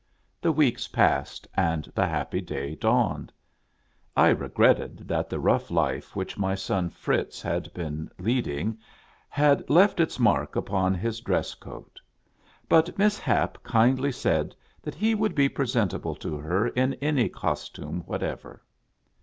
The weeks passed, and the happy day dawned. I regretted that the rough life which my son Fritz had been learling had left its marks upon his dress coat. But Miss Hap kindly said that he would be presentable to her in any costume whatever.